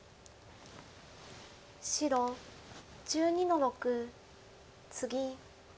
白１２の六ツギ。